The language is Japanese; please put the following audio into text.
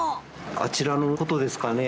あちらのことですかね？